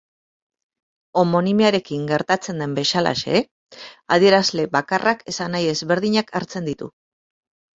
Homonimiarekin gertatzen den bezalaxe, adierazle bakarrak esanahi ezberdinak hartzen ditu.